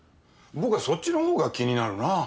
僕はそっちの方が気になるなぁ。